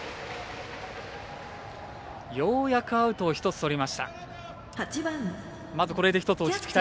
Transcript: ようやくアウトを１つとりました。